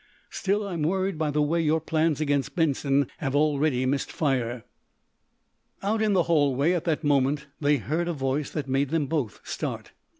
Still, I'm worried by the way your plans against Benson have already missed fire." Out in the hallway, at that moment, they heard a voice that made them both start.